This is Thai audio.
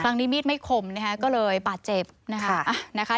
มีดไม่คมนะคะก็เลยบาดเจ็บนะคะ